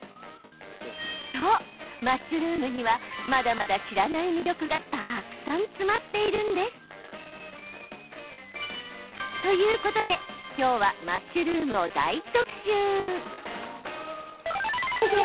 そう、マッシュルームにはまだまだ知らない魅力がたくさん詰まっているんです。ということで、今日はマッシュルームを大特集。